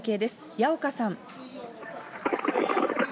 矢岡さん。